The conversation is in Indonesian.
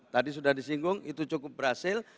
tadi sudah disinggung itu cukup berhasil